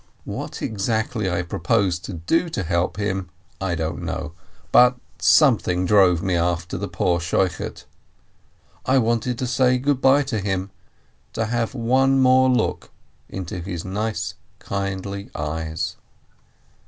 What exactly I proposed .to do to help him, I don't know, but something drove me after the poor Shochet. I wanted to say good by to him, to have one more look into his nice, kindly eyes.